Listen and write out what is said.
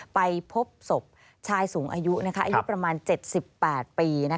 ไปพบศพชายสูงอายุอายุประมาณ๗๘ปี